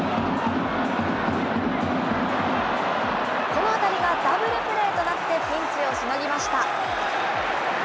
この当たりがダブルプレーとなって、ピンチをしのぎました。